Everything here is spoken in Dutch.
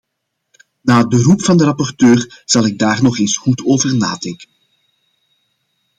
Na het beroep van de rapporteur zal ik daar nog eens goed over nadenken.